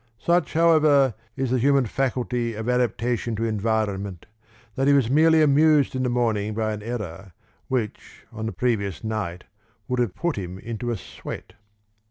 Such, however, is the human faculty of adaptation to environment that he was merely amused in the morning by an error which, on the previous night, would have put him into a sweat.